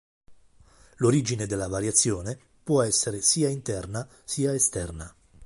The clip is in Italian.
L'origine delle variazione può essere sia interna sia esterna.